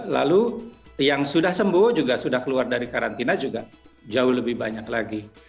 lalu yang sudah sembuh juga sudah keluar dari karantina juga jauh lebih banyak lagi